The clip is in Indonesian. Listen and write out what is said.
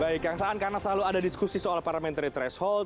baik kang saan karena selalu ada diskusi soal parliamentary threshold